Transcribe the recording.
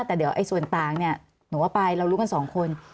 แต่เดี๋ยวส่วนต่างเนี่ยหนูว่าไปเรารู้กันสองคน